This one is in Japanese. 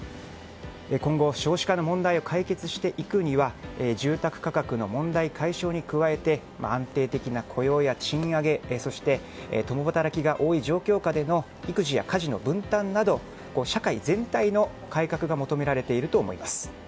今後、少子化の問題を解決していくには住宅価格の問題解消に加えて安定的な雇用や賃上げそして、共働きが多い状況下での育児や家事の分担など社会全体の改革が求められていると思います。